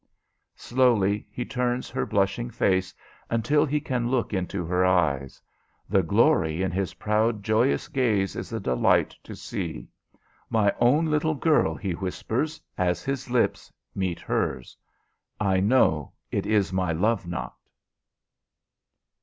Slowly he turns her blushing face until he can look into her eyes. The glory in his proud, joyous gaze is a delight to see. "My own little girl," he whispers, as his lips meet hers. "I know it is my love knot."